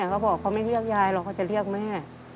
เขาบอกเขาไม่เรียกยายหรอกเขาจะเรียกแม่